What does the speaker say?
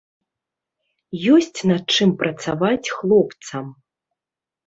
Ёсць над чым працаваць хлопцам.